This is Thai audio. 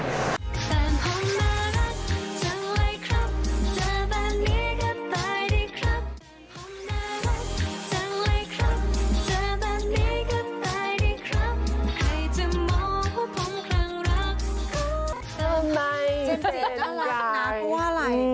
ทำไมเป็นไร